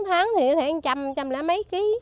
bốn tháng thì có thể ăn chăm chăm lấy mấy ký